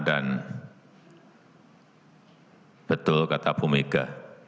dan betul kata ibu mega